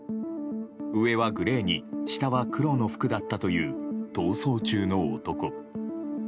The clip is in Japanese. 上はグレーに、下は黒の服だったという逃走中の男。